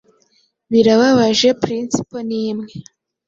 birababajeprinciple ni imwe